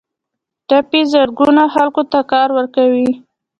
ټاپي زرګونه خلکو ته کار ورکوي